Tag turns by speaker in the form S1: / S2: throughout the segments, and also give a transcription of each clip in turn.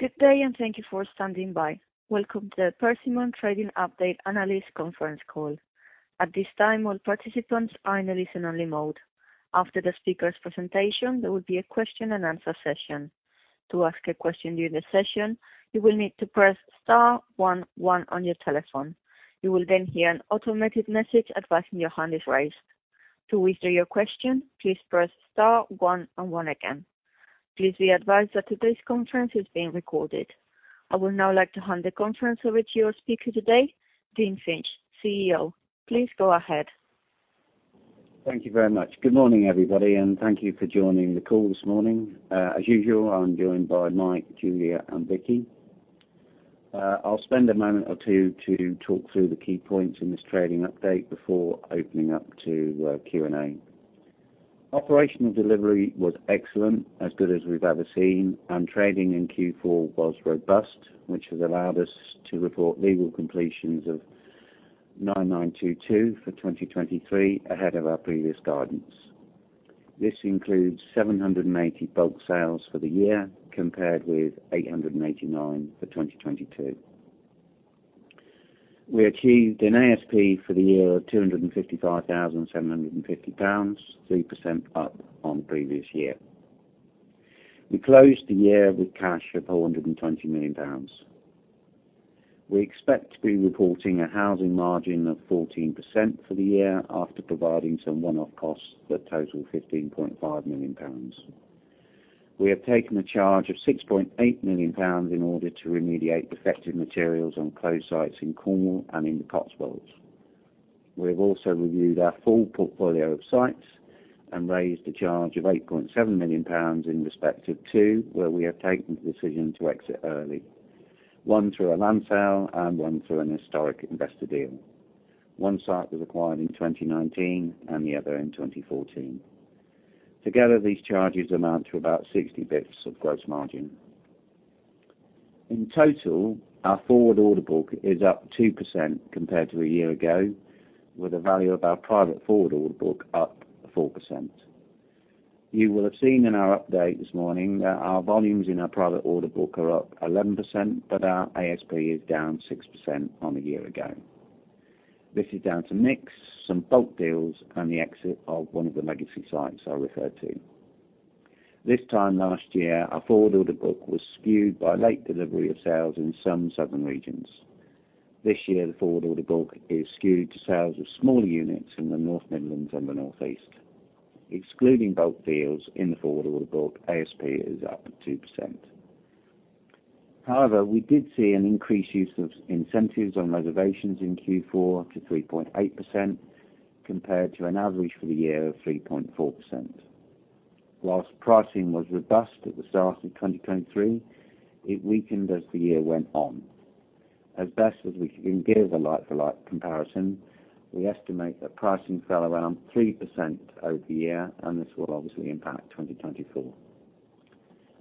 S1: Good day, and thank you for standing by. Welcome to the Persimmon Trading Update Analyst Conference Call. At this time, all participants are in a listen-only mode. After the speaker's presentation, there will be a question-and-answer session. To ask a question during the session, you will need to press star one one on your telephone. You will then hear an automated message advising your hand is raised. To withdraw your question, please press star one and one again. Please be advised that today's conference is being recorded. I would now like to hand the conference over to your speaker today, Dean Finch, CEO. Please go ahead.
S2: Thank you very much. Good morning, everybody, and thank you for joining the call this morning. As usual, I'm joined by Mike, Julia, and Vicky. I'll spend a moment or two to talk through the key points in this trading update before opening up to Q&A. Operational delivery was excellent, as good as we've ever seen, and trading in Q4 was robust, which has allowed us to report legal completions of 9922 for 2023, ahead of our previous guidance. This includes 780 bulk sales for the year, compared with 889 for 2022. We achieved an ASP for the year of 255,750 pounds, 3% up on previous year. We closed the year with cash of 420 million pounds. We expect to be reporting a housing margin of 14% for the year, after providing some one-off costs that total 15.5 million pounds. We have taken a charge of 6.8 million pounds in order to remediate defective materials on closed sites in Cornwall and in the Cotswolds. We have also reviewed our full portfolio of sites and raised a charge of 8.7 million pounds in respect of two, where we have taken the decision to exit early, one through a land sale and one through an historic investor deal. One site was acquired in 2019, and the other in 2014. Together, these charges amount to about 60 basis points of gross margin. In total, our forward order book is up 2% compared to a year ago, with the value of our private forward order book up 4%. You will have seen in our update this morning that our volumes in our private order book are up 11%, but our ASP is down 6% on a year ago. This is down to mix, some bulk deals, and the exit of one of the legacy sites I referred to. This time last year, our forward order book was skewed by late delivery of sales in some southern regions. This year, the forward order book is skewed to sales of smaller units in the North Midlands and the North East. Excluding bulk deals in the forward order book, ASP is up 2%. However, we did see an increased use of incentives on reservations in Q4 to 3.8% compared to an average for the year of 3.4%. While pricing was robust at the start of 2023, it weakened as the year went on. As best as we can give a like-for-like comparison, we estimate that pricing fell around 3% over the year, and this will obviously impact 2024.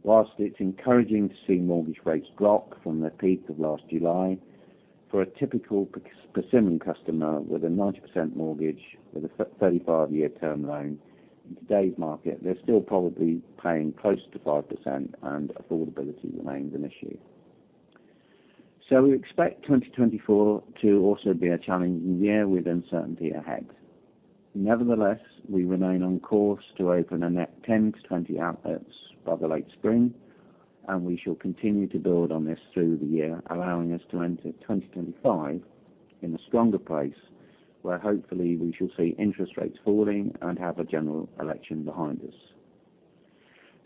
S2: While it's encouraging to see mortgage rates drop from their peak of last July, for a typical Persimmon customer with a 90% mortgage, with a 35-year term loan, in today's market, they're still probably paying closer to 5% and affordability remains an issue. So we expect 2024 to also be a challenging year with uncertainty ahead. Nevertheless, we remain on course to open a net 10-20 outlets by the late spring, and we shall continue to build on this through the year, allowing us to enter 2025 in a stronger place, where hopefully we shall see interest rates falling and have a general election behind us.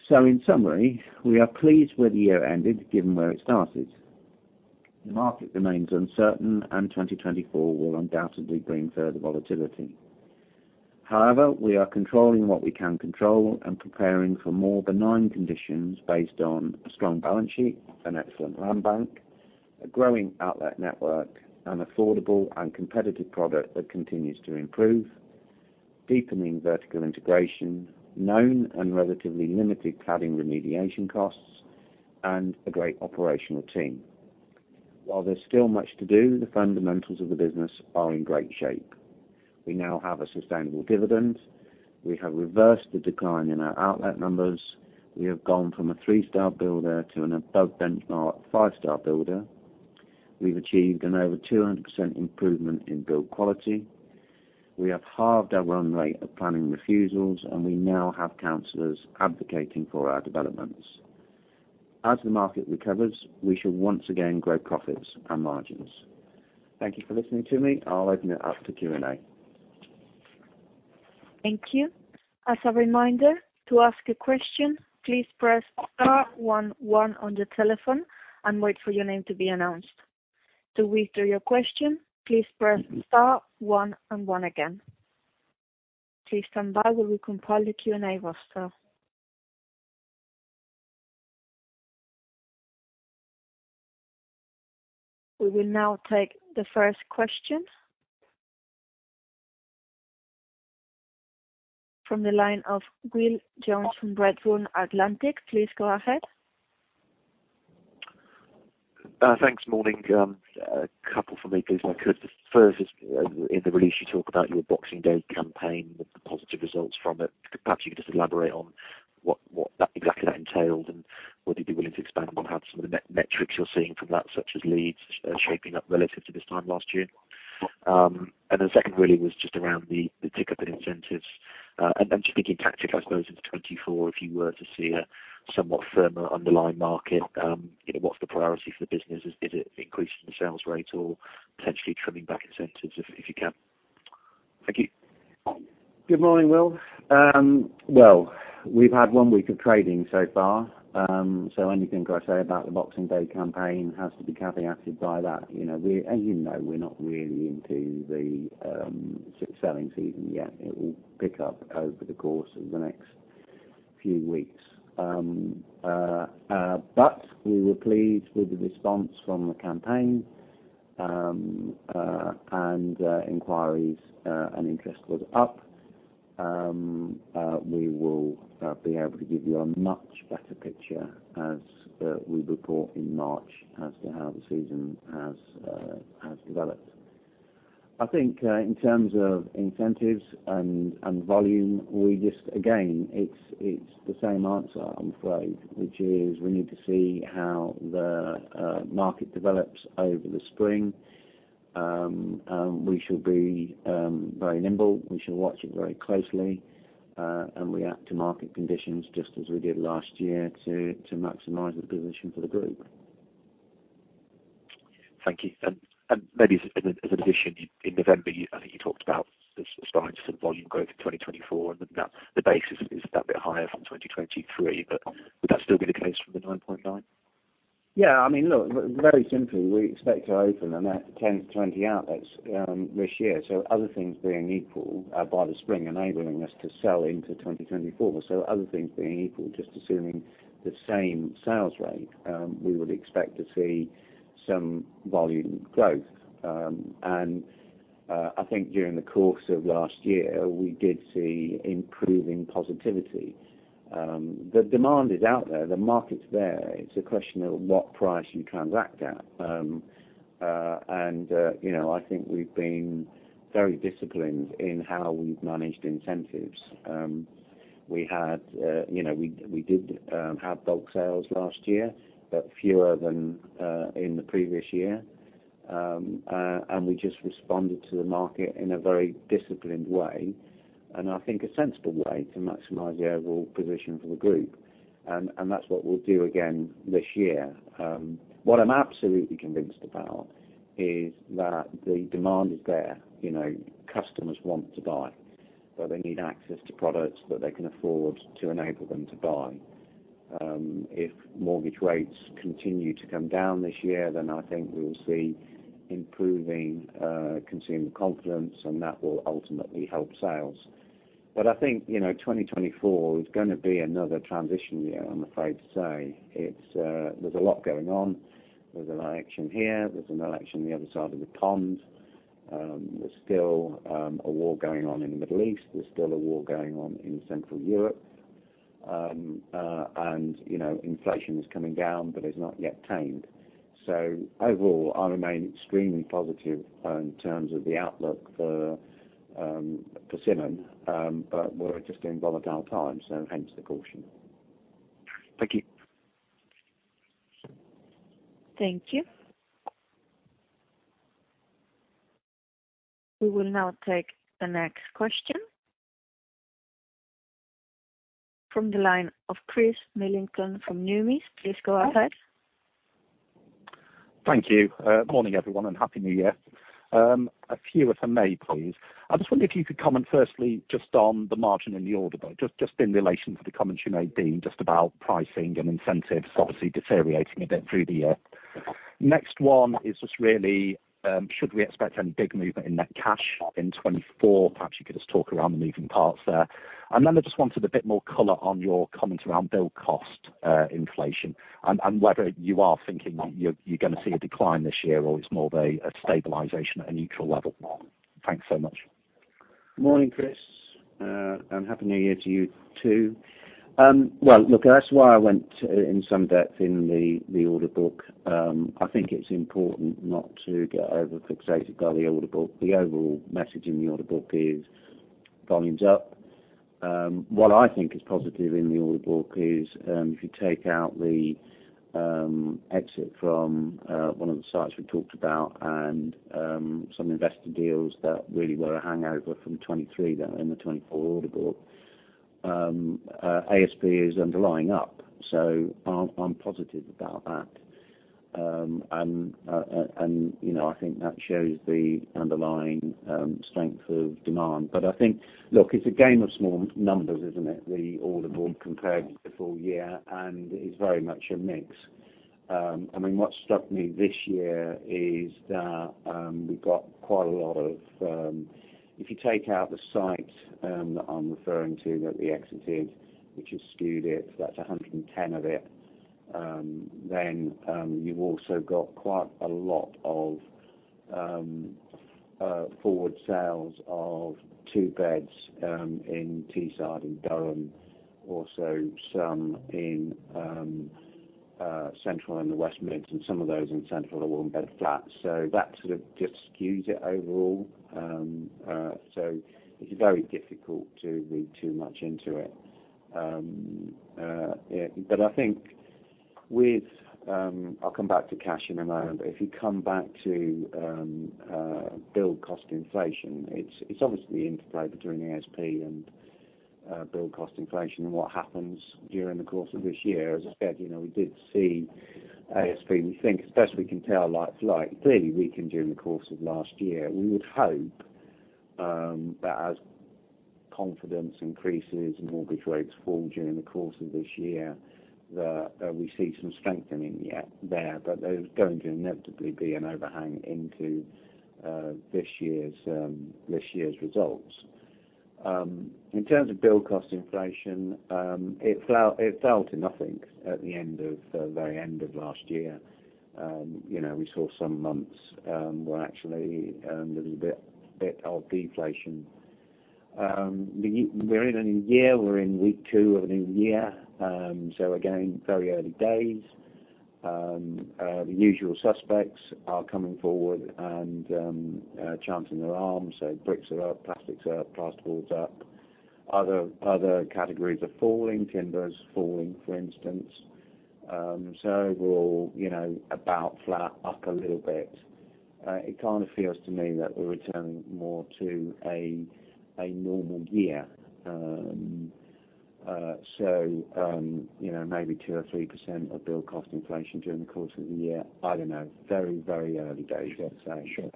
S2: So in summary, we are pleased with the year ended, given where it started. The market remains uncertain, and 2024 will undoubtedly bring further volatility. However, we are controlling what we can control and preparing for more benign conditions based on a strong balance sheet, an excellent land bank, a growing outlet network, an affordable and competitive product that continues to improve, deepening vertical integration, known and relatively limited cladding remediation costs, and a great operational team. While there's still much to do, the fundamentals of the business are in great shape. We now have a sustainable dividend. We have reversed the decline in our outlet numbers. We have gone from a three-star builder to an above benchmark five-star builder. We've achieved an over 200% improvement in build quality. We have halved our run rate of planning refusals, and we now have councillors advocating for our developments. As the market recovers, we should once again grow profits and margins. Thank you for listening to me. I'll open it up to Q&A.
S1: Thank you. As a reminder, to ask a question, please press star one one on your telephone and wait for your name to be announced. To withdraw your question, please press star one and one again. Please stand by while we compile the Q&A roster. We will now take the first question. From the line of Will Jones from Redburn Atlantic, please go ahead....
S3: Thanks. Morning. A couple for me, please, if I could. The first is, in the release, you talk about your Boxing Day campaign, the positive results from it. Perhaps you could just elaborate on what that exactly entailed, and would you be willing to expand on perhaps some of the metrics you're seeing from that, such as leads shaping up relative to this time last year? And the second really was just around the tick-up in incentives, and just thinking tactically, I suppose, in 2024, if you were to see a somewhat firmer underlying market, you know, what's the priority for the business? Is it increasing the sales rate or potentially trimming back incentives, if you can? Thank you.
S2: Good morning, Will. Well, we've had one week of trading so far. So anything I say about the Boxing Day campaign has to be caveated by that. You know, we... As you know, we're not really into the selling season yet. It will pick up over the course of the next few weeks. But we were pleased with the response from the campaign, and inquiries and interest was up. We will be able to give you a much better picture as we report in March as to how the season has developed. I think in terms of incentives and volume, we just... Again, it's the same answer, I'm afraid, which is we need to see how the market develops over the spring. We shall be very nimble. We shall watch it very closely and react to market conditions just as we did last year to maximize the position for the group.
S3: Thank you. And maybe as an addition, in November, I think you talked about the aspiring to some volume growth in 2024, and that the base is that bit higher from 2023, but would that still be the case for the 9.9?
S2: Yeah. I mean, look, very simply, we expect to open about 10-20 outlets this year. So other things being equal, by the spring, enabling us to sell into 2024. So other things being equal, just assuming the same sales rate, we would expect to see some volume growth. And I think during the course of last year, we did see improving positivity. The demand is out there, the market's there. It's a question of what price you transact at. You know, I think we've been very disciplined in how we've managed incentives. You know, we did have bulk sales last year, but fewer than in the previous year. We just responded to the market in a very disciplined way, and I think a sensible way to maximize the overall position for the group, and that's what we'll do again this year. What I'm absolutely convinced about is that the demand is there. You know, customers want to buy, but they need access to products that they can afford to enable them to buy. If mortgage rates continue to come down this year, then I think we will see improving consumer confidence, and that will ultimately help sales. But I think, you know, 2024 is gonna be another transition year, I'm afraid to say. It's... There's a lot going on. There's an election here, there's an election on the other side of the pond. There's still a war going on in the Middle East. There's still a war going on in Central Europe. And, you know, inflation is coming down, but is not yet tamed. So overall, I remain extremely positive in terms of the outlook for Persimmon, but we're just in volatile times, so hence the caution.
S3: Thank you.
S1: Thank you. We will now take the next question from the line of Chris Millington from Numis. Please go ahead.
S4: Thank you. Good morning, everyone, and Happy New Year. A few, if I may, please. I just wonder if you could comment firstly just on the margin in the order book just in relation to the comments you made, Dean, just about pricing and incentives obviously deteriorating a bit through the year. Next one is just really should we expect any big movement in net cash in 2024? Perhaps you could just talk around the moving parts there. And then I just wanted a bit more color on your comment around build cost inflation and whether you are thinking that you're gonna see a decline this year, or it's more of a stabilization at a neutral level. Thanks so much.
S2: Morning, Chris, and Happy New Year to you, too. Well, look, that's why I went in some depth in the order book. I think it's important not to get overfixated by the order book. The overall message in the order book is volume's up. What I think is positive in the order book is, if you take out the exit from one of the sites we talked about and some investor deals that really were a hangover from 2023, that are in the 2024 order book, ASP is underlying up, so I'm positive about that. And you know, I think that shows the underlying strength of demand. But I think, look, it's a game of small numbers, isn't it? The order book compared to the full year, and is very much a mix. I mean, what struck me this year is that, we've got quite a lot of... If you take out the site that I'm referring to, that we exited, which has skewed it, so that's 110 of it, then, you've also got quite a lot of, forward sales of two beds, in Teesside and Durham, also some in, Central and the West Midlands, and some of those in Central are one-bed flats. So that sort of just skews it overall. so it's very difficult to read too much into it. Yeah, but I think with, I'll come back to cash in a moment, but if you come back to build cost inflation, it's, it's obviously the interplay between the ASP and build cost inflation and what happens during the course of this year. As I said, you know, we did see ASP, we think, as best we can tell, like, slightly weaken during the course of last year. We would hope that as confidence increases and mortgage rates fall during the course of this year, that we see some strengthening yet there, but there's going to inevitably be an overhang into this year's, this year's results. In terms of build cost inflation, it fell, it fell to nothing at the end of, very end of last year. You know, we saw some months were actually a little bit of deflation. We're in a new year, we're in week two of a new year, so again, very early days. The usual suspects are coming forward and chancing their arms. So bricks are up, plastics are up, plasterboards up. Other categories are falling, timber is falling, for instance. So overall, you know, about flat, up a little bit. It kind of feels to me that we're returning more to a normal year. So, you know, maybe 2% or 3% of build cost inflation during the course of the year. I don't know. Very early days yet, so. Sure.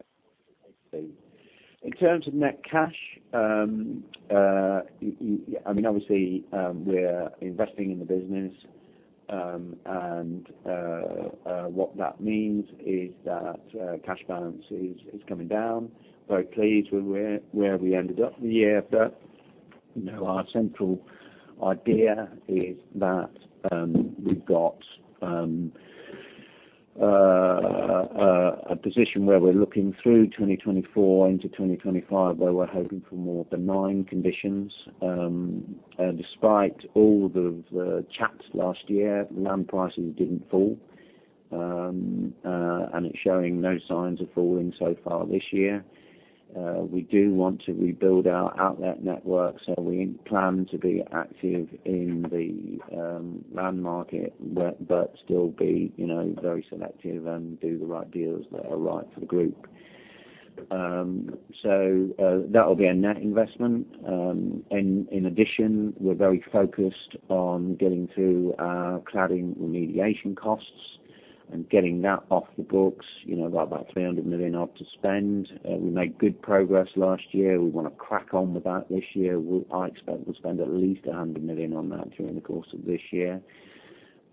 S2: In terms of net cash, I mean, obviously, we're investing in the business. And what that means is that cash balance is coming down. Very pleased with where we ended up in the year, but you know, our central idea is that we've got a position where we're looking through 2024 into 2025, where we're hoping for more benign conditions. Despite all the chat last year, land prices didn't fall. It's showing no signs of falling so far this year. We do want to rebuild our outlet network, so we plan to be active in the land market, but still be, you know, very selective and do the right deals that are right for the group. That will be a net investment. In addition, we're very focused on getting through our cladding remediation costs and getting that off the books, you know, about 300 million odd to spend. We made good progress last year. We want to crack on with that this year. I expect we'll spend at least 100 million on that during the course of this year.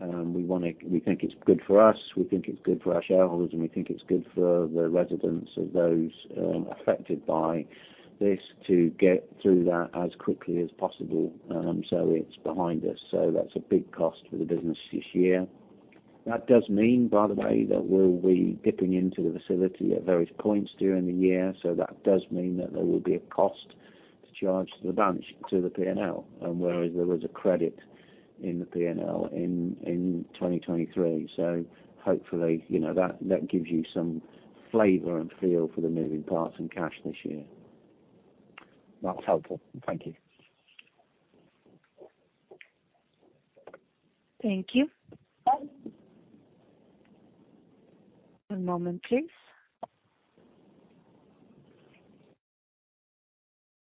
S2: We wanna. We think it's good for us, we think it's good for our shareholders, and we think it's good for the residents of those affected by this to get through that as quickly as possible, so it's behind us. So that's a big cost for the business this year. That does mean, by the way, that we'll be dipping into the facility at various points during the year, so that does mean that there will be a cost to charge to the balance, to the P&L, whereas there was a credit in the P&L in 2023. So hopefully, you know, that gives you some flavor and feel for the moving parts and cash this year.
S4: That's helpful. Thank you.
S1: Thank you. One moment, please.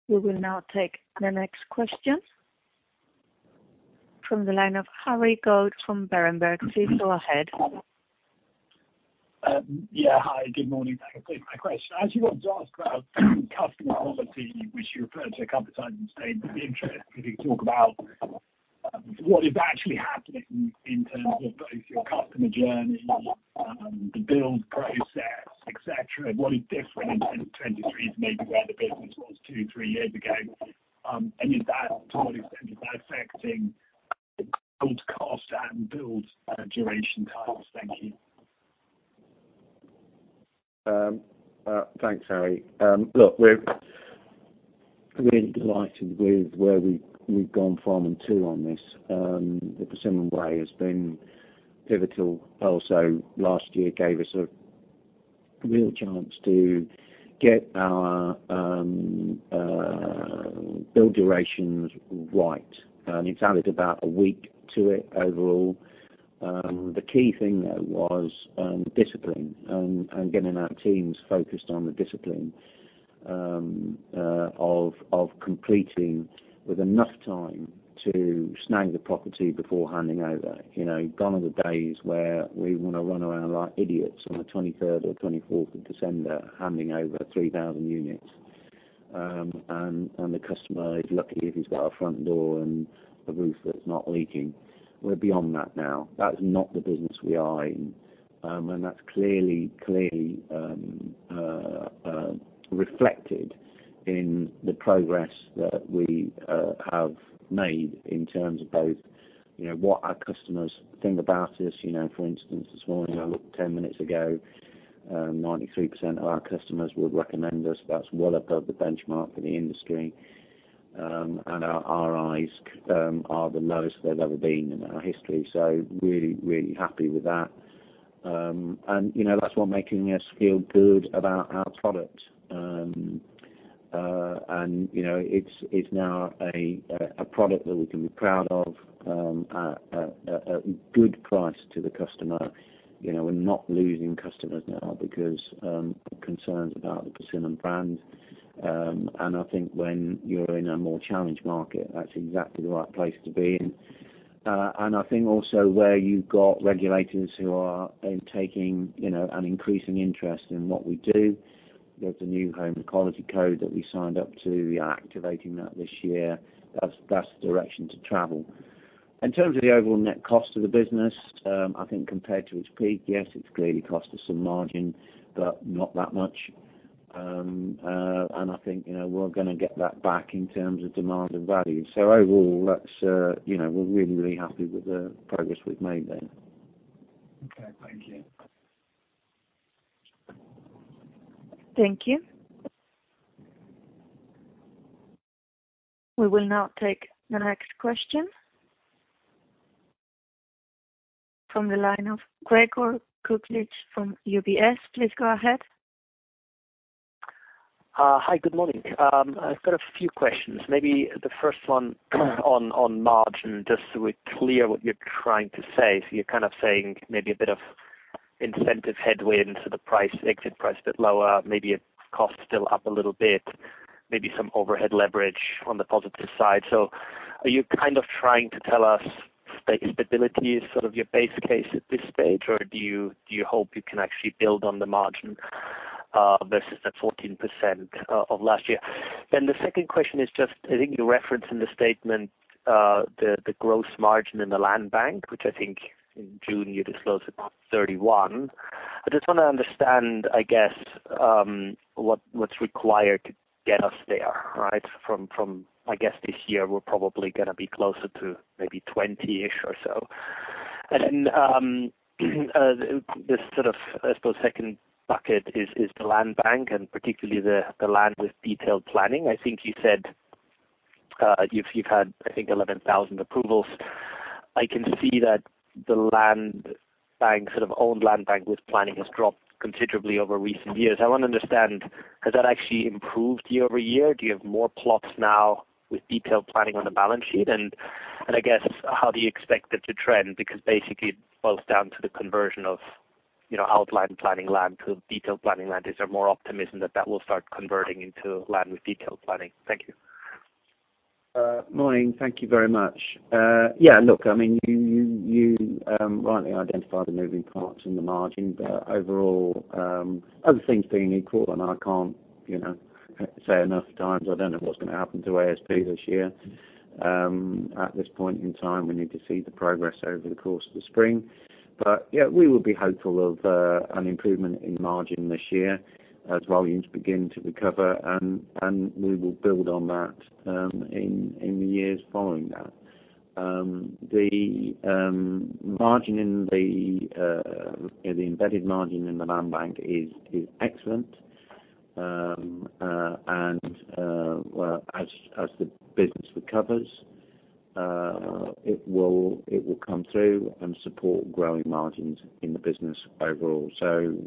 S1: We will now take the next question from the line of Harry Goad from Berenberg. Please go ahead.
S5: Yeah, hi, good morning. Thank you for my question. I actually want to ask about customer quality, which you referred to a couple of times today. It'd be interesting if you could talk about what is actually happening in terms of both your customer journey, the build process, et cetera, and what is different in 2023 is maybe where the business was two, three years ago? And is that, to what extent is that affecting build cost and build duration times? Thank you.
S2: Thanks, Harry. Look, we're really delighted with where we've gone from and to on this. The Persimmon Way has been pivotal. Also, last year gave us a real chance to get our build durations right, and it's added about a week to it overall. The key thing, though, was discipline and getting our teams focused on the discipline of completing with enough time to snag the property before handing over. You know, gone are the days where we want to run around like idiots on the 23rd or 24th of December, handing over 3,000 units, and the customer is lucky if he's got a front door and a roof that's not leaking. We're beyond that now. That's not the business we are in, and that's clearly reflected... In the progress that we have made in terms of both, you know, what our customers think about us. You know, for instance, this morning, I looked 10 minutes ago, 93% of our customers would recommend us. That's well above the benchmark in the industry. And our RIs are the lowest they've ever been in our history. So really, really happy with that. And, you know, that's what making us feel good about our product. And, you know, it's now a product that we can be proud of, at a good price to the customer. You know, we're not losing customers now because concerns about the Persimmon brand. And I think when you're in a more challenged market, that's exactly the right place to be in. And I think also where you've got regulators who are taking, you know, an increasing interest in what we do, there's a New Homes Quality Code that we signed up to. We are activating that this year. That's, that's the direction to travel. In terms of the overall net cost of the business, I think compared to its peak, yes, it's clearly cost us some margin, but not that much. And I think, you know, we're gonna get that back in terms of demand and value. So overall, that's, you know, we're really, really happy with the progress we've made there.
S5: Okay, thank you.
S1: Thank you. We will now take the next question from the line of Gregor Kuglitsch from UBS. Please go ahead.
S6: Hi, good morning. I've got a few questions. Maybe the first one on margin, just so we're clear what you're trying to say. So you're kind of saying maybe a bit of incentive headwind, so the price, exit price a bit lower, maybe costs still up a little bit, maybe some overhead leverage on the positive side. So are you kind of trying to tell us stability is sort of your base case at this stage, or do you hope you can actually build on the margin versus the 14% of last year? Then the second question is just, I think the reference in the statement, the gross margin in the land bank, which I think in June you disclosed about 31. I just want to understand, I guess, what's required to get us there, right? From, I guess this year, we're probably gonna be closer to maybe 20-ish or so. And then, this sort of, I suppose, second bucket is the land bank, and particularly the land with detailed planning. I think you said, you've had, I think, 11,000 approvals. I can see that the land bank, sort of owned land bank with planning, has dropped considerably over recent years. I want to understand, has that actually improved year-over-year? Do you have more plots now with detailed planning on the balance sheet? And I guess, how do you expect it to trend? Because basically it boils down to the conversion of, you know, outline planning land to detailed planning land. Is there more optimism that that will start converting into land with detailed planning? Thank you.
S2: Morning. Thank you very much. Yeah, look, I mean, you rightly identify the moving parts in the margin, but overall, other things being equal, and I can't, you know, say enough times, I don't know what's going to happen to ASP this year. At this point in time, we need to see the progress over the course of the spring. But yeah, we would be hopeful of an improvement in margin this year as volumes begin to recover, and we will build on that in the years following that. The margin, the embedded margin in the land bank is excellent. And well, as the business recovers, it will come through and support growing margins in the business overall. So,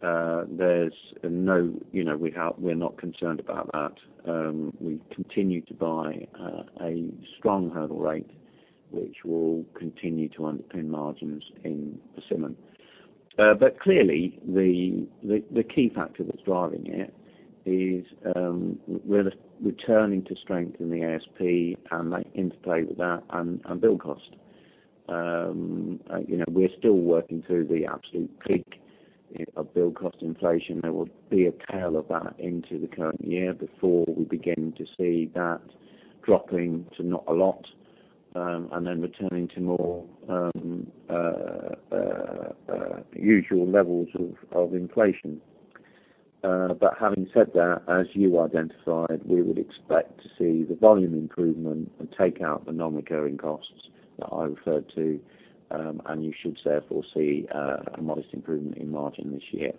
S2: there's no... You know, we're not concerned about that. We continue to buy a strong hurdle rate, which will continue to underpin margins in Persimmon. But clearly, the key factor that's driving it is, we're returning to strength in the ASP and the interplay with that and build cost. You know, we're still working through the absolute peak of build cost inflation. There will be a tail of that into the current year before we begin to see that dropping to not a lot, and then returning to more usual levels of inflation. But having said that, as you identified, we would expect to see the volume improvement and take out the non-recurring costs that I referred to, and you should therefore see a modest improvement in margin this year.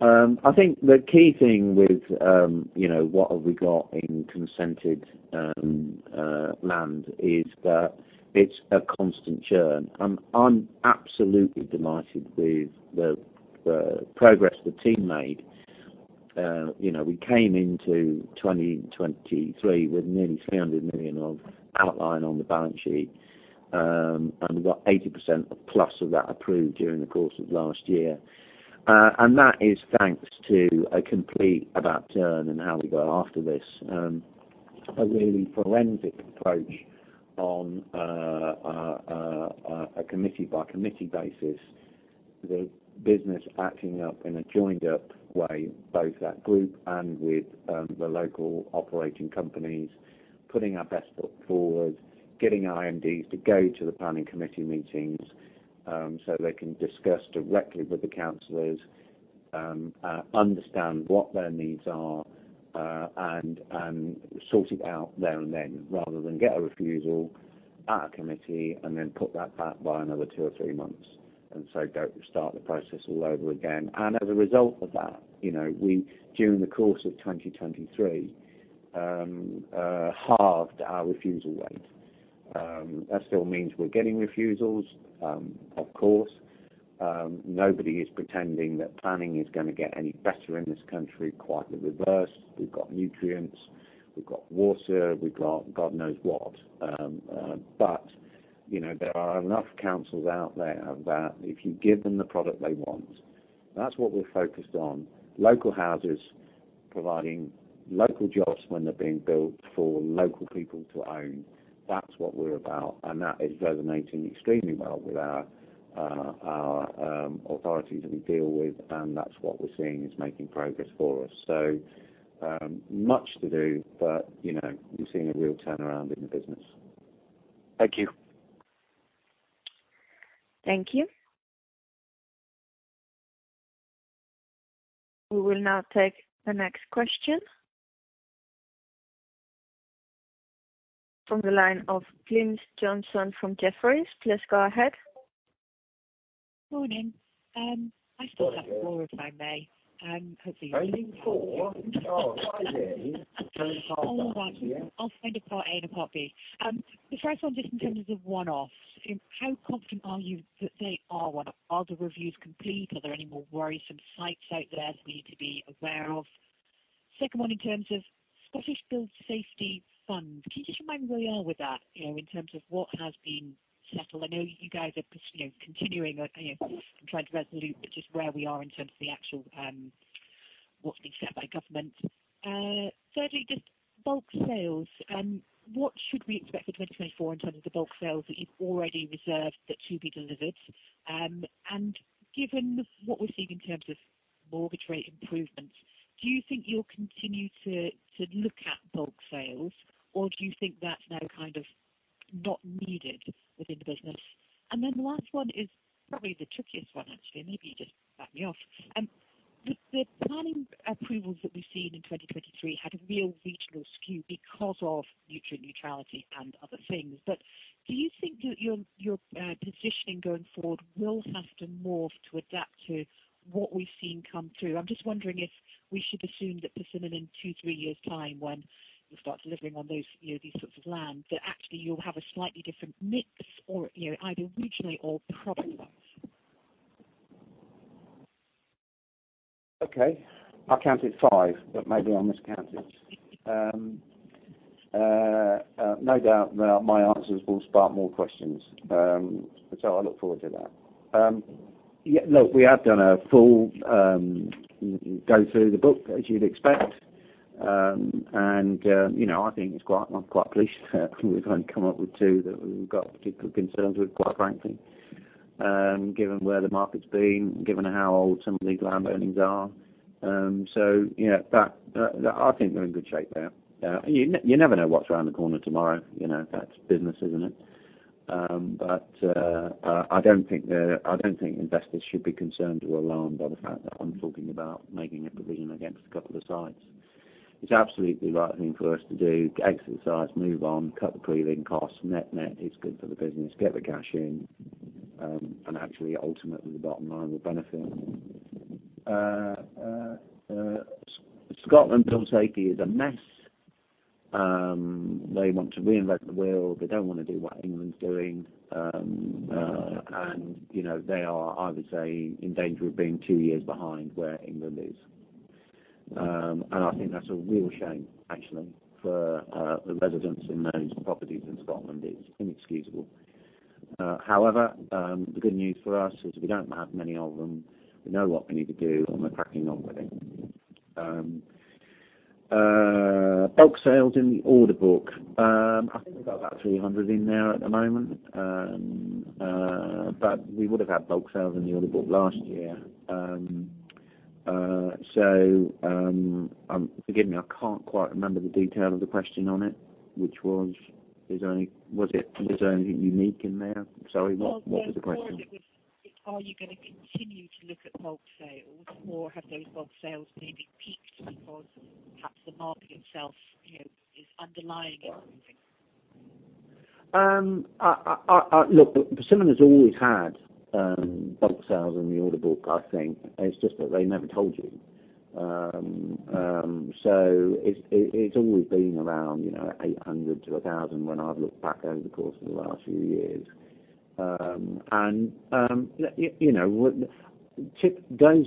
S2: I think the key thing with, you know, what have we got in consented land, is that it's a constant churn. I'm absolutely delighted with the progress the team made. You know, we came into 2023 with nearly 300 million of outline on the balance sheet, and we got 80% plus of that approved during the course of last year. And that is thanks to a complete about turn in how we go after this. A really forensic approach on a committee-by-committee basis, the business acting up in a joined up way, both that group and with the local operating companies, putting our best foot forward, getting our MDs to go to the planning committee meetings. So they can discuss directly with the councillors, understand what their needs are, and sort it out there and then, rather than get a refusal at a committee and then put that back by another two or three months, and so go start the process all over again. And as a result of that, you know, we, during the course of 2023, halved our refusal rate. That still means we're getting refusals, of course. Nobody is pretending that planning is going to get any better in this country, quite the reverse. We've got nutrients, we've got water, we've got God knows what. But, you know, there are enough councils out there that if you give them the product they want, that's what we're focused on. Local houses, providing local jobs when they're being built for local people to own. That's what we're about, and that is resonating extremely well with our authorities that we deal with, and that's what we're seeing is making progress for us. So, much to do, but, you know, we're seeing a real turnaround in the business.
S6: Thank you.
S1: Thank you. We will now take the next question. From the line of Glynis Johnson from Jefferies. Please go ahead.
S7: Morning. I still have four, if I may, hopefully.
S2: Oh, yeah.
S7: All right. I'll find a part A and a part B. The first one, just in terms of one-offs, how confident are you that they are one-off? Are the reviews complete? Are there any more worrisome sites out there that we need to be aware of? Second one, in terms of Scottish Building Safety Fund, can you just remind me where you are with that, you know, in terms of what has been settled? I know you guys are, you know, continuing, you know, trying to resolve, but just where we are in terms of the actual, what's being said by government. Thirdly, just bulk sales. What should we expect for 2024 in terms of the bulk sales that you've already reserved that to be delivered? Given what we're seeing in terms of mortgage rate improvements, do you think you'll continue to look at bulk sales, or do you think that's now kind of not needed within the business? The last one is probably the trickiest one, actually. Maybe you just start me off. The planning approvals that we've seen in 2023 had a real regional skew because of nutrient neutrality and other things. Do you think that your positioning going forward will have to morph to adapt to what we've seen come through? I'm just wondering if we should assume that Persimmon in two-three years' time, when you start delivering on those, you know, these sorts of lands, that actually you'll have a slightly different mix or, you know, either regionally or product wise.
S2: Okay, I counted five, but maybe I miscounted. No doubt my answers will spark more questions, so I look forward to that. Yeah, look, we have done a full go through the book, as you'd expect. And, you know, I think it's quite, I'm quite pleased that we've only come up with two, that we've got particular concerns with, quite frankly, given where the market's been, given how old some of these land ownings are. So, you know, that, I think we're in good shape there. You never know what's around the corner tomorrow, you know, that's business, isn't it? But, I don't think investors should be concerned or alarmed by the fact that I'm talking about making a provision against a couple of sites. It's absolutely the right thing for us to do, exercise, move on, cut the preliminary costs. Net-net is good for the business, get the cash in, and actually ultimately the bottom line will benefit. Scotland Building Safety is a mess. They want to reinvent the wheel. They don't want to do what England's doing. And, you know, they are, I would say, in danger of being two years behind where England is. And I think that's a real shame, actually, for the residents in those properties in Scotland. It's inexcusable. However, the good news for us is we don't have many of them. We know what we need to do, and we're cracking on with it. Bulk sales in the order book. I think we've got about 300 in there at the moment. But we would have had bulk sales in the order book last year. Forgive me, I can't quite remember the detail of the question on it, which was... Is there any-- Was it, is there anything unique in there? Sorry, what, what was the question?
S7: Well, yeah, it was. Are you going to continue to look at bulk sales, or have those bulk sales maybe peaked because perhaps the market itself, you know, is underlying everything?
S2: Look, Persimmon has always had bulk sales in the order book, I think. It's just that they never told you. So it's always been around, you know, 800-1,000 when I've looked back over the course of the last few years. And you know what? Those...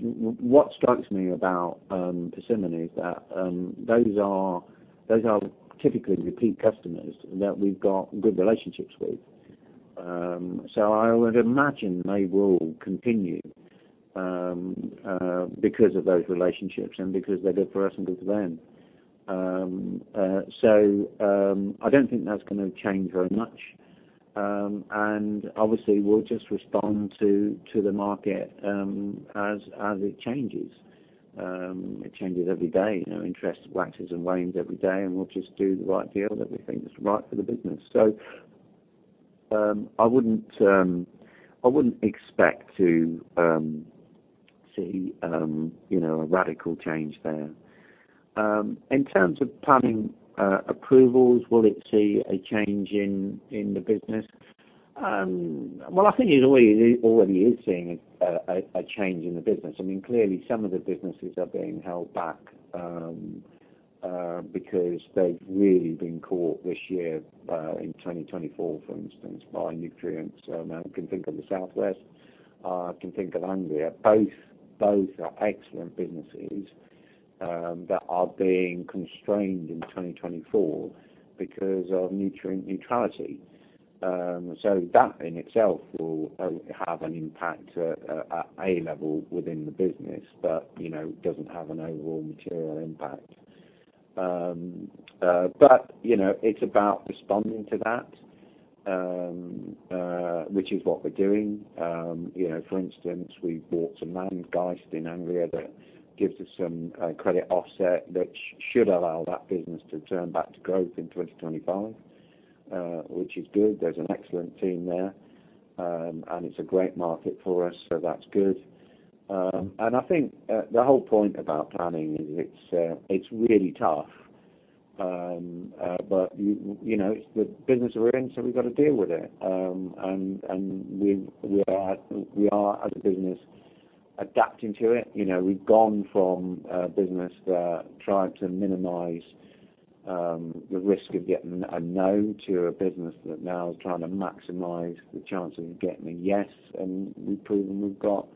S2: What strikes me about Persimmon is that those are typically repeat customers that we've got good relationships with. So I would imagine they will continue because of those relationships and because they're good for us and good for them. So I don't think that's going to change very much. And obviously, we'll just respond to the market as it changes. It changes every day. You know, interest waxes and wanes every day, and we'll just do the right deal that we think is right for the business. So, I wouldn't expect to see, you know, a radical change there. In terms of planning approvals, will it see a change in the business? Well, I think it already is seeing a change in the business. I mean, clearly, some of the businesses are being held back because they've really been caught this year, in 2024, for instance, by nutrient neutrality. So I can think of the South West, I can think of Anglia. Both are excellent businesses that are being constrained in 2024 because of nutrient neutrality. So that in itself will have an impact at A level within the business, but, you know, doesn't have an overall material impact. But, you know, it's about responding to that, which is what we're doing. You know, for instance, we bought some land buys in Anglia that gives us some credit offset, which should allow that business to turn back to growth in 2025, which is good. There's an excellent team there. It's a great market for us, so that's good. And I think the whole point about planning is it's really tough. But you know, it's the business we're in, so we've got to deal with it. And we are, as a business, adapting to it. You know, we've gone from a business that tried to minimize the risk of getting a no, to a business that now is trying to maximize the chances of getting a yes, and we've proven we've got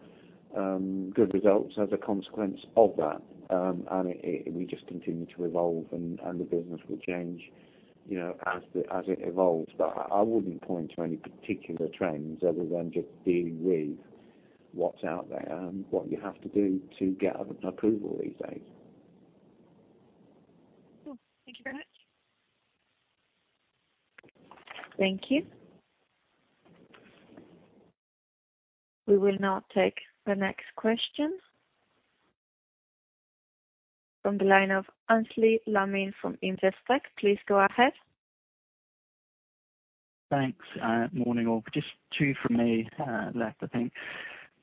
S2: good results as a consequence of that. And we just continue to evolve and the business will change, you know, as it evolves. But I wouldn't point to any particular trends other than just dealing with what's out there and what you have to do to get an approval these days.
S7: Cool. Thank you very much.
S1: Thank you. We will now take the next question. From the line of Aynsley Lammin from Investec. Please go ahead.
S8: Thanks, morning, all. Just two from me, left, I think.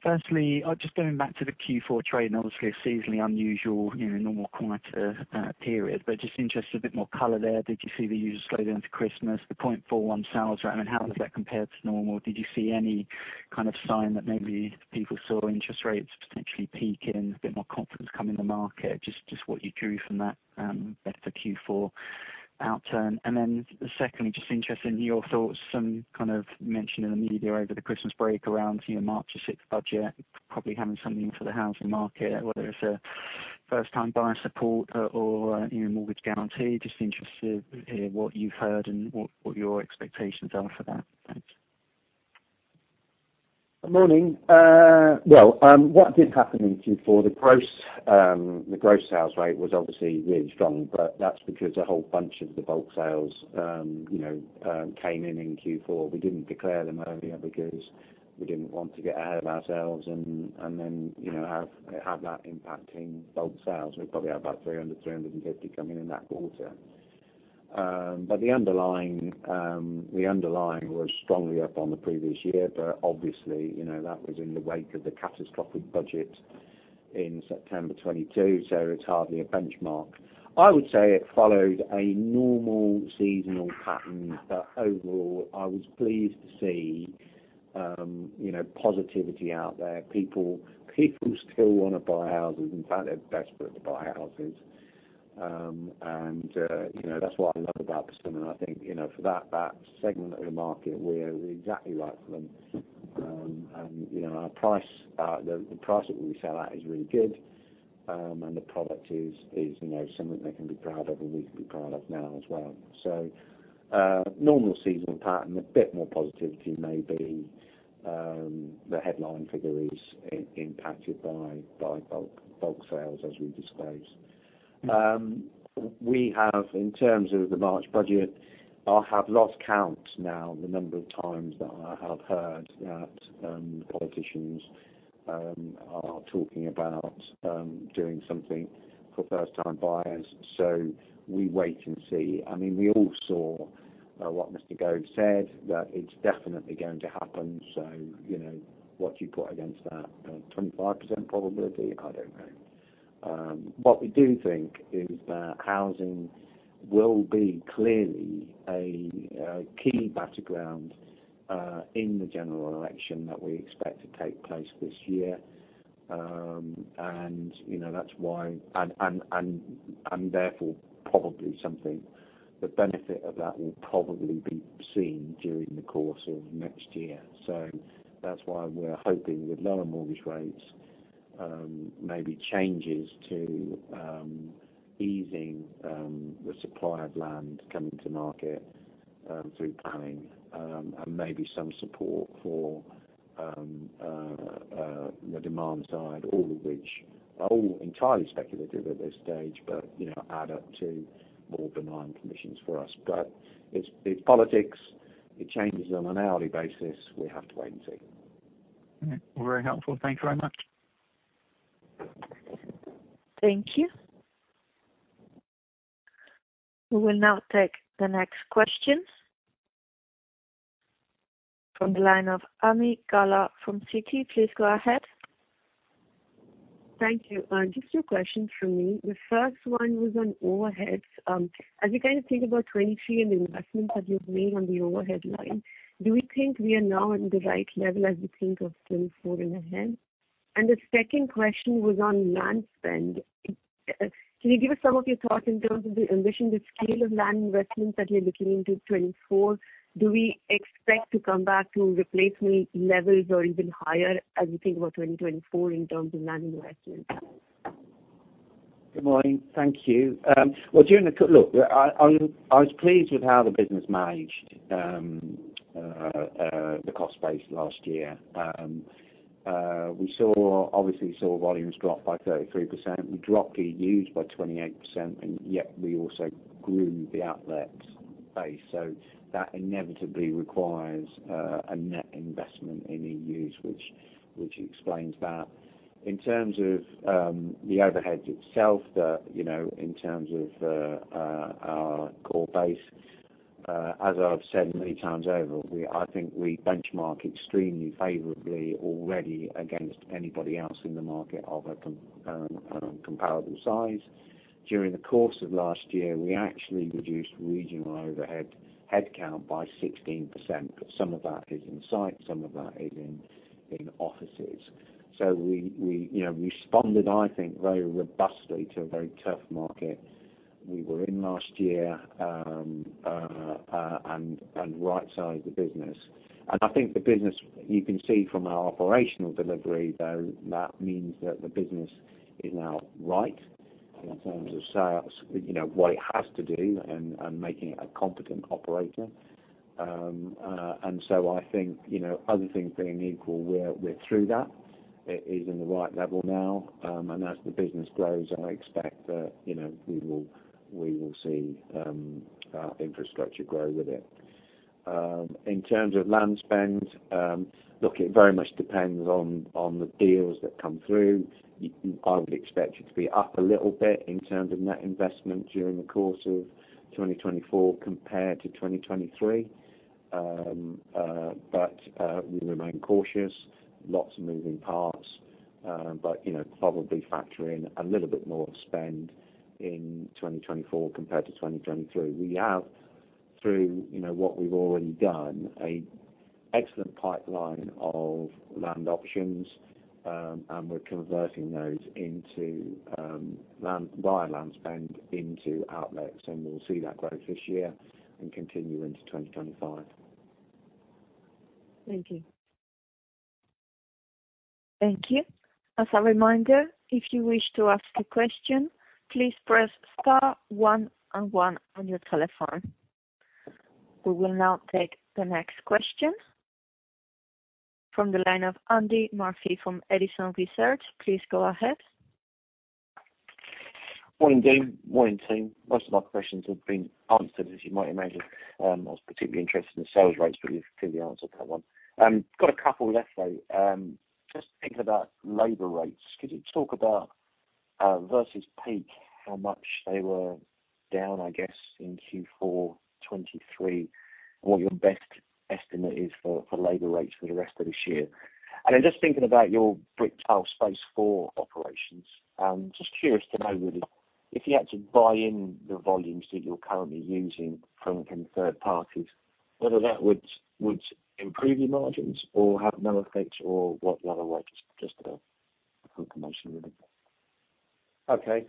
S8: Firstly, just going back to the Q4 trade, and obviously, a seasonally unusual, you know, normal, quiet period, but just interested in a bit more color there. Did you see the buyers slow down to Christmas, the 0.41 sales rate? I mean, how does that compare to normal? Did you see any kind of sign that maybe people saw interest rates potentially peaking, a bit more confidence come in the market? Just what you drew from that bit for Q4 outturn. And then secondly, just interested in your thoughts, some kind of mention in the media over the Christmas break around, you know, March 6th budget, probably having something for the housing market, whether it's a first-time buyer support or, or, you know, mortgage guarantee. Just interested to hear what you've heard and what, what your expectations are for that. Thanks.
S2: Morning. Well, what did happen in Q4? The gross sales rate was obviously really strong, but that's because a whole bunch of the bulk sales, you know, came in in Q4. We didn't declare them earlier because we didn't want to get ahead of ourselves and then, you know, have that impact in bulk sales. We probably had about 300, 350 come in in that quarter. But the underlying was strongly up on the previous year, but obviously, you know, that was in the wake of the catastrophic budget in September 2022, so it's hardly a benchmark. I would say it followed a normal seasonal pattern, but overall, I was pleased to see, you know, positivity out there. People still wanna buy houses. In fact, they're desperate to buy houses. And, you know, that's what I love about Persimmon. I think, you know, for that, that segment of the market, we're exactly right for them. And, you know, our price, the, the price that we sell at is really good, and the product is, is, you know, something they can be proud of, and we can be proud of now as well. So, normal seasonal pattern, a bit more positivity, maybe, the headline figure is impacted by bulk sales, as we disclosed. We have, in terms of the March budget, I have lost count now the number of times that I have heard that, politicians are talking about doing something for first-time buyers. So we wait and see. I mean, we all saw, what Mr. Gove said, that it's definitely going to happen. So, you know, what do you put against that? 25% probability? I don't know. What we do think is that housing will be clearly a key battleground in the general election that we expect to take place this year. And, you know, that's why... And therefore, probably something, the benefit of that will probably be seen during the course of next year. So that's why we're hoping with lower mortgage rates, maybe changes to easing the supply of land coming to market through planning, and maybe some support for the demand side, all of which are entirely speculative at this stage, but, you know, add up to more benign conditions for us. But it's politics.... It changes on an hourly basis. We have to wait and see.
S8: Very helpful. Thank you very much.
S1: Thank you. We will now take the next question from the line of Ami Galla from Citi. Please go ahead.
S9: Thank you. Just two questions from me. The first one was on overheads. As you kind of think about 2023 and the investments that you've made on the overhead line, do we think we are now in the right level as we think of 2024 ahead? And the second question was on land spend. Can you give us some of your thoughts in terms of the ambition, the scale of land investments that you're looking into 2024? Do we expect to come back to replacement levels or even higher as we think about 2024 in terms of land investments?
S2: Good morning. Thank you. Well, during the, I was pleased with how the business managed the cost base last year. We saw, obviously saw volumes drop by 33%. We dropped EUs by 28%, and yet we also grew the outlet base. So that inevitably requires a net investment in EUs, which explains that. In terms of the overheads itself, you know, in terms of our core base, as I've said many times over, I think we benchmark extremely favorably already against anybody else in the market of a comparable size. During the course of last year, we actually reduced regional overhead headcount by 16%, but some of that is in site, some of that is in offices. So we, you know, responded, I think, very robustly to a very tough market we were in last year, and right-sized the business. I think the business, you can see from our operational delivery, though, that means that the business is now right in terms of size, you know, what it has to do and making it a competent operator. So I think, you know, other things being equal, we're through that. It is in the right level now. And as the business grows, I expect that, you know, we will see our infrastructure grow with it. In terms of land spend, look, it very much depends on the deals that come through. I would expect it to be up a little bit in terms of net investment during the course of 2024 compared to 2023. But we remain cautious. Lots of moving parts, but, you know, probably factor in a little bit more of spend in 2024 compared to 2023. We have, through, you know, what we've already done, a excellent pipeline of land options, and we're converting those into, land, via land spend into outlets, and we'll see that growth this year and continue into 2025.
S9: Thank you.
S1: Thank you. As a reminder, if you wish to ask a question, please press star one and one on your telephone. We will now take the next question from the line of Andy Murphy from Edison Research. Please go ahead.
S10: Morning, Dean. Morning, team. Most of our questions have been answered, as you might imagine. I was particularly interested in the sales rates, but you've clearly answered that one. Got a couple left, though. Just thinking about labor rates, could you talk about versus peak, how much they were down, I guess, in Q4 2023, what your best estimate is for labor rates for the rest of this year? And then just thinking about your brick tile Space4 operations, just curious to know, really, if you had to buy in the volumes that you're currently using from third parties, whether that would improve your margins or have no effect or what the other way, just as a confirmation really.
S2: Okay.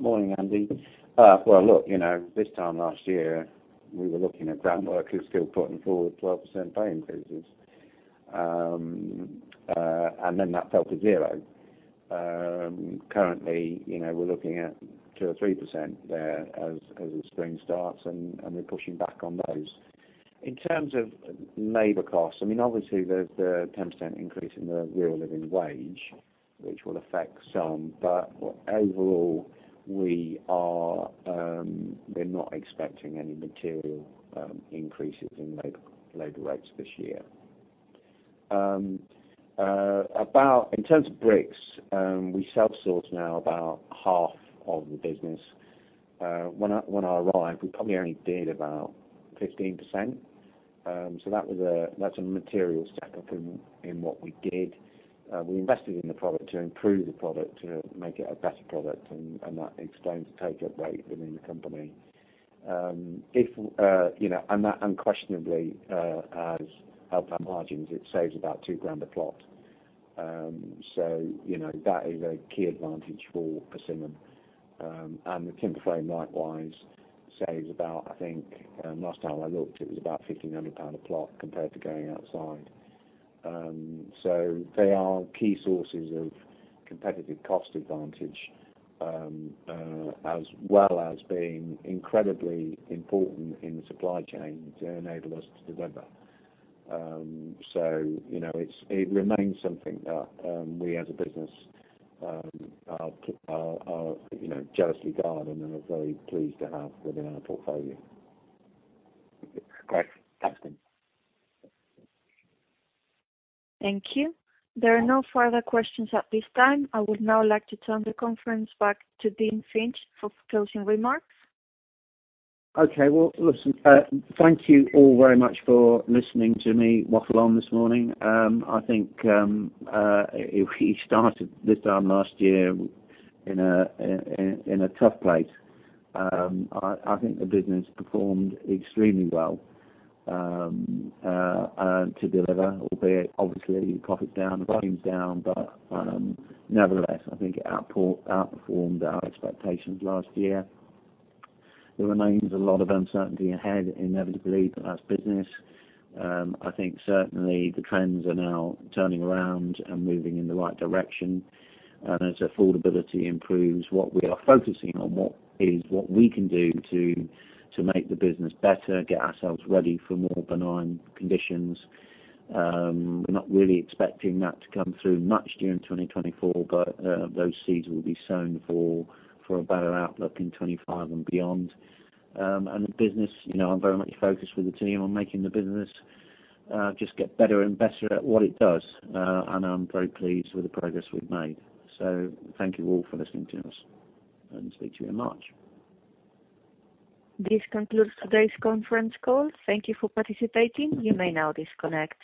S2: Morning, Andy. Well, look, you know, this time last year, we were looking at groundworkers still putting forward 12% pay increases. And then that fell to zero. Currently, you know, we're looking at 2% or 3% there as the spring starts, and we're pushing back on those. In terms of labor costs, I mean, obviously, there's the 10% increase in the Real Living Wage, which will affect some, but overall, we are... We're not expecting any material increases in labor rates this year. About-- in terms of bricks, we self-source now about half of the business. When I arrived, we probably only did about 15%. So that was a, that's a material step up in what we did. We invested in the product to improve the product, to make it a better product, and, and that explains the take-up rate within the company. If you know, and that unquestionably has helped our margins, it saves about 2,000 a plot. So, you know, that is a key advantage for Persimmon. And the timber frame, likewise, saves about, I think, last time I looked, it was about 1,500 pound a plot compared to going outside. So they are key sources of competitive cost advantage, as well as being incredibly important in the supply chain to enable us to deliver. So, you know, it remains something that we as a business are, you know, jealously guard and are very pleased to have within our portfolio. Great.
S10: Thanks, Dean.
S1: Thank you. There are no further questions at this time. I would now like to turn the conference back to Dean Finch for closing remarks.
S2: Okay, well, listen, thank you all very much for listening to me waffle on this morning. I think we started this time last year in a tough place. I think the business performed extremely well to deliver, albeit obviously profit is down, volume's down, but nevertheless, I think it outperformed our expectations last year. There remains a lot of uncertainty ahead, inevitably, but that's business. I think certainly the trends are now turning around and moving in the right direction. And as affordability improves, what we are focusing on, what we can do to make the business better, get ourselves ready for more benign conditions. We're not really expecting that to come through much during 2024, but those seeds will be sown for a better outlook in 2025 and beyond. And the business, you know, I'm very much focused with the team on making the business just get better and better at what it does, and I'm very pleased with the progress we've made. So thank you all for listening to us, and speak to you in March.
S1: This concludes today's conference call. Thank you for participating. You may now disconnect.